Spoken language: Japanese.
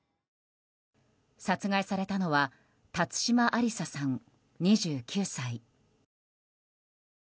殺害されたのは辰島ありささん、２９歳。